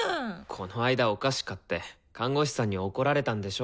この間お菓子買って看護師さんに怒られたんでしょ？